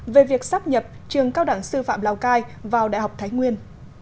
về việc sắp nhập trường cao đẳng sư phạm lào cai vào đại học thái nguyên